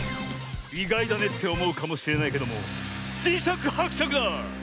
いがいだねっておもうかもしれないけどもじしゃくはくしゃくだ！